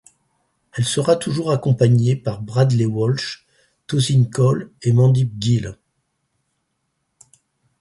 Elle sera toujours accompagnée par Bradley Walsh, Tosin Cole & Mandip Gill.